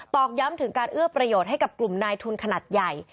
อกย้ำถึงการเอื้อประโยชน์ให้กับกลุ่มนายทุนขนาดใหญ่